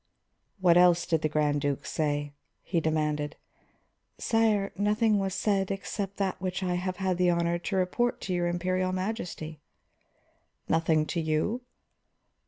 "What else did the Grand Duke say?" he demanded. "Sire, nothing was said except that which I have had the honor to report to your Imperial Majesty." "Nothing to you?"